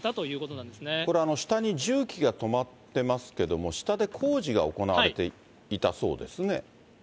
これ、下に重機が止まってますけれども、下で工事が行われていたそうですね。